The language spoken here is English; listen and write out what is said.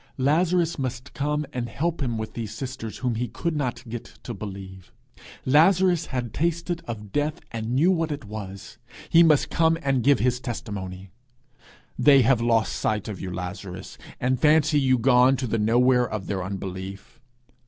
Lazarus must come and help him with these sisters whom he could not get to believe! Lazarus had tasted of death, and knew what it was: he must come and give his testimony! 'They have lost sight of you, Lazarus, and fancy you gone to the nowhere of their unbelief.